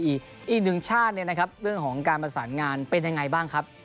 อีกหนึ่งชาติเนี่ยนะครับเรื่องของการประสานงานเป็นยังไงบ้างครับ